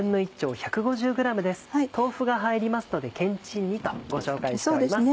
豆腐が入りますのでけんちん煮とご紹介しております。